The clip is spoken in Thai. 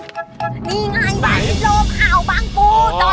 นี่ไงบ่ายที่โลมอ่าวบ้างปู่